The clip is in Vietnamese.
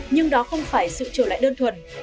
nhưng đó không phải sự trở lại đơn thuần